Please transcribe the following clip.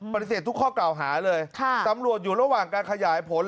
ปฏิเสธทุกข้อกล่าวหาเลยตำรวจอยู่ระหว่างการขยายผล